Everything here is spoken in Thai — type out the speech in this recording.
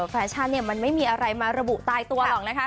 แฟชั่นเนี่ยมันไม่มีอะไรมาระบุตายตัวหรอกนะคะ